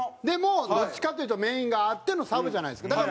でもどっちかっていうとメインがあってのサブじゃないですか。